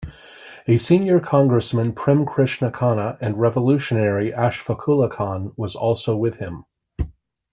A senior congressman Prem Krishna Khanna and revolutionary Ashfaqulla Khan was also with him.